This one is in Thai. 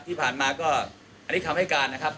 ที่ผ่านมาก็หรือข้อมถึงคำให้การนะครับ